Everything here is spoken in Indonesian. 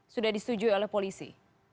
sudah disetujui oleh polisi